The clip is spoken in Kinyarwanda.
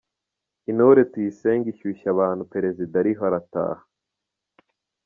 Intore Tuyisenge ishyushya abantu Perezida ariho ataha.